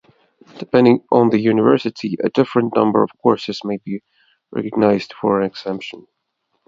Depending on the University, a different number of courses may be recognised for exemption.